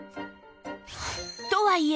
とはいえ